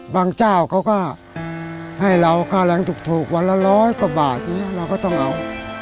บางเจ้าก็ก็ให้เราค่าแรงถูกวันละร้อยกว่าบาทนี่เราก็ต้องเอา